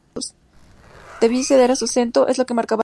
Debía ceder su asiento, es lo que marcaba la ley.